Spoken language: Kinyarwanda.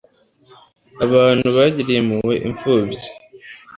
abantu bagiriye impuhwe impfubyi